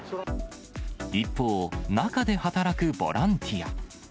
一方、中で働くボランティア。